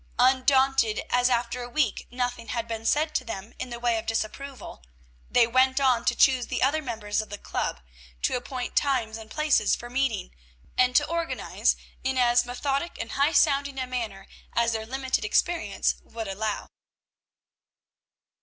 Undaunted, as after a week nothing had been said to them in the way of disapproval, they went on to choose the other members of the club; to appoint times and places for meeting; and to organize in as methodic and high sounding a manner as their limited experience would allow.